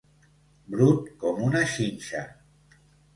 Brut com una xinxa.